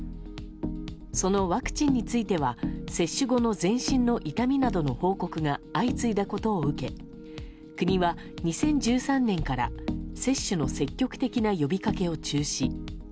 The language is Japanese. そのワクチンについては接種後の全身の痛みなどの報告が相次いだことを受け国は２０１３年から接種の積極的な呼びかけを中止。